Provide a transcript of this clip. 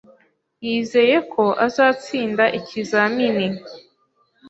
Yizeye ko azatsinda ikizamini.